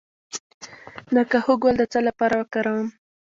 د کاهو ګل د څه لپاره وکاروم؟